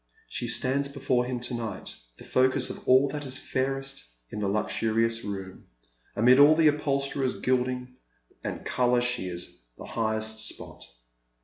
She stands before him to night tho focus of all that is fairest in the luxurious room : amid all the upholsterer's gilding and colour she is the brightest spot.